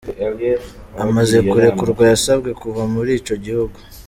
Amaze kurekurwa, yasabwe kuva muri ico gihugu.